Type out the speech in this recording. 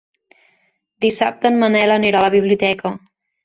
Dissabte en Manel anirà a la biblioteca.